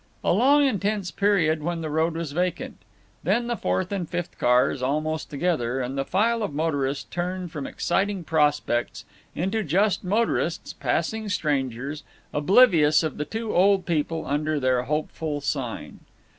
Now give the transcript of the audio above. A long intense period when the road was vacant. Then the fourth and fifth cars, almost together; and the file of motorists turned from exciting prospects into just motorists, passing strangers, oblivious of the two old people under their hopeful sign.